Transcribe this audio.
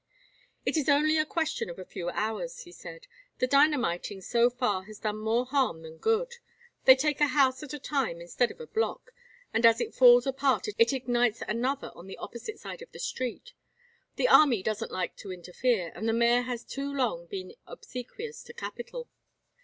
"It is only a question of a few hours," he said. "The dynamiting so far has done more harm than good. They take a house at a time instead of a block, and as it falls apart it ignites another on the opposite side of the street. The army doesn't like to interfere, and the mayor has too long been obsequious to capital.